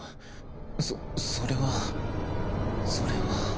そそれはそれは。